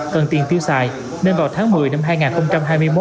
cần tiền tiêu xài nên vào tháng một mươi năm hai nghìn hai mươi một